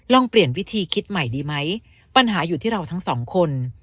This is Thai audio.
ลองเปลี่ยนวิธีคิดใหม่ดีไหมปัญหาอยู่ที่เราทั้งสองคน